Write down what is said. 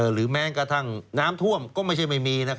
หรือแม้กระทั่งน้ำท่วมก็ไม่ใช่ไม่มี